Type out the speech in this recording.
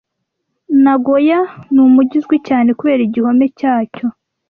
Nagoya numujyi uzwi cyane kubera igihome cyacyo.